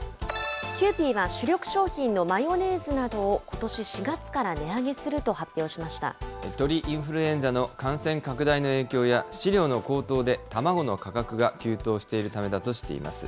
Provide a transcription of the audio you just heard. キユーピーは主力商品のマヨネーズなどを、ことし４月から値上げ鳥インフルエンザの感染拡大の影響や、飼料の高騰で卵の価格が急騰しているためだとしています。